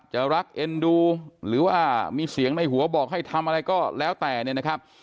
รักเอ็นดูหรือว่ามีเสียงในหัวบอกให้ทำอะไรก็แล้วแต่เนี่ยนะครับ